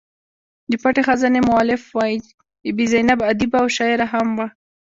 د پټې خزانې مولف وايي بي بي زینب ادیبه او شاعره هم وه.